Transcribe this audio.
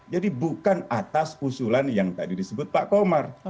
jadi bukan atas usulan yang tadi disebut pak komar